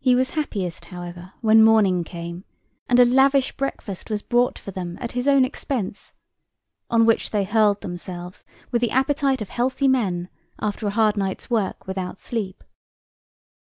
He was happiest, however, when morning came and a lavish breakfast was brought for them at his own expense, on which they hurled themselves with the appetite of healthy men after a hard night's work without sleep.